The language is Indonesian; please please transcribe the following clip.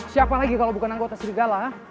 siapa lagi kalau bukan anggota serigala